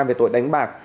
về tội đánh bạc